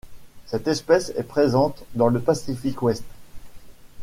Cette espèce est présente dans le Pacifique Ouest.